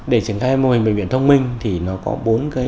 để trở thành mô hình bệnh viện thông minh thì nó có bốn cái